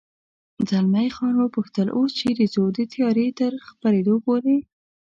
زلمی خان و پوښتل: اوس چېرې ځو؟ د تیارې تر خپرېدو پورې.